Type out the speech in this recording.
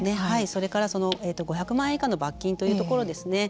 それから、５００万円以下の罰金というところですね